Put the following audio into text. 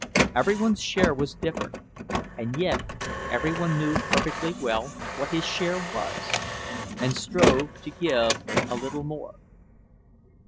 Every one's share was different—and yet every one knew perfectly well what his share was, and strove to give a little more.